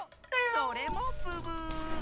それもブブー！